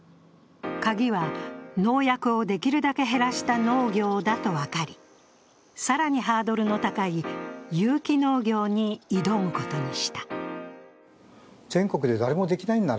カギは、農薬をできるだけ減らした農業だと分かり、更にハードルの高い有機農業に挑むことにした。